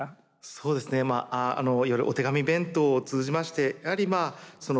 そうですねまあいわゆるお手紙弁当を通じましてやはりまあその